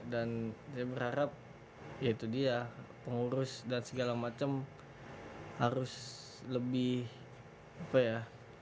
dan saya berharap ya itu dia pengurus dan segala macem harus lebih apa ya